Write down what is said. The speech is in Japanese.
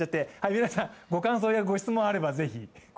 皆さん、ご感想やご質問があれば是非。